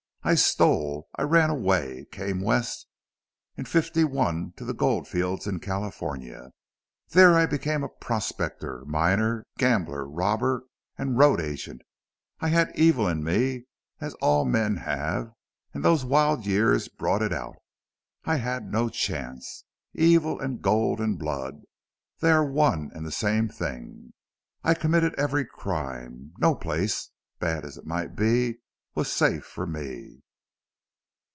I stole. I ran away came West in 'fifty one to the gold fields in California. There I became a prospector, miner, gambler, robber and road agent. I had evil in me, as all men have, and those wild years brought it out. I had no chance. Evil and gold and blood they are one and the same thing. I committed every crime till no place, bad as it might be, was safe for me.